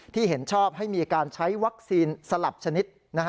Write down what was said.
เห็นชอบให้มีการใช้วัคซีนสลับชนิด